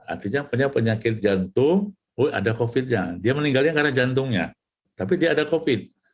artinya penyakit jantung ada covid nya dia meninggalnya karena jantungnya tapi dia ada covid